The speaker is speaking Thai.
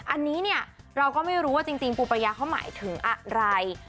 อันนี้เนี่ยเราก็ไม่รู้ว่าจริงปูประยาเขาหมายถึงอะไร